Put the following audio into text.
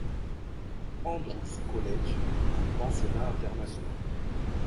Andrews College, un pensionnat international.